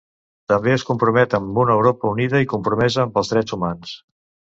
També es compromet amb una Europa unida i compromesa amb els drets humans.